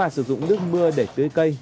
sử dụng nước mưa để tưới cây